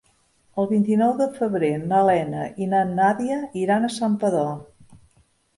El vint-i-nou de febrer na Lena i na Nàdia iran a Santpedor.